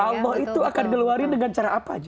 allah itu akan ngeluarin dengan cara apa aja